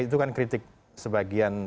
itu kan kritik sebagian